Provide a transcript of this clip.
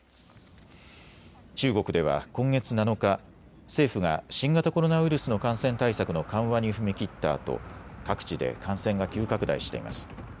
中国では今月７日、政府が新型コロナウイルスの感染対策の緩和に踏み切ったあと各地で感染が急拡大しています。